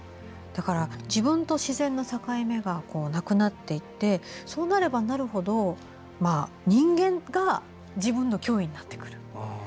だから自分と自然の境目がなくなっていってそうなればなるほど人間が自分の脅威になってくる。